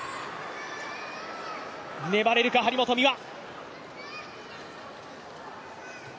粘れるか張本美和。